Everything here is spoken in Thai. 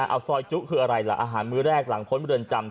เอาซอยจุคืออะไรล่ะอาหารมื้อแรกหลังพ้นเรือนจำ